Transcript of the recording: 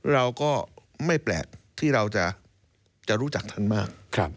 เราก็ไม่แปลกที่เราจะรู้จักท่านมาก